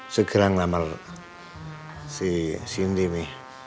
segera ngelamar si cindy ini